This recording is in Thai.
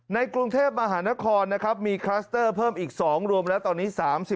ในกรุงเทพมหานครนะครับมีคลัสเตอร์เพิ่มอีก๒รวมแล้วตอนนี้๓๐